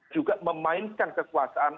juga memainkan kekuasaan